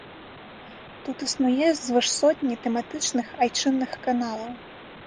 Тут існуе звыш сотні тэматычных айчынных каналаў.